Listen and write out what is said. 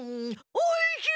おいしい！